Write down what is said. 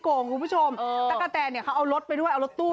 โกงคุณผู้ชมตะกะแตนเนี่ยเขาเอารถไปด้วยเอารถตู้